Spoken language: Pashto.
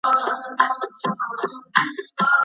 طلاق د خاوند او ميرمني تر منځ د بيلتون يو ډول دی.